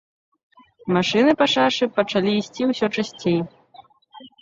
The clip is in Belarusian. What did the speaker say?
Машыны па шашы пачалі ісці ўсё часцей.